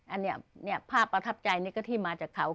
อันนี้ภาพประทับใจนี่ก็ที่มาจากเขา